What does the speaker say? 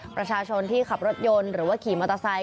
ประชาชนที่ขับรถยนต์หรือว่าขี่มอเตอร์ไซค